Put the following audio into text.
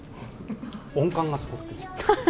音感がすごくて。